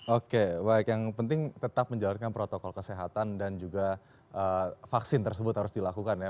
oke baik yang penting tetap menjalankan protokol kesehatan dan juga vaksin tersebut harus dilakukan ya